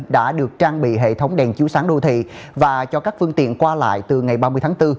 đã được trang bị hệ thống đèn chiếu sáng đô thị và cho các phương tiện qua lại từ ngày ba mươi tháng bốn